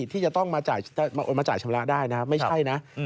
ที่จะต้องมาจ่ายชำระได้นะไม่ใช่นะ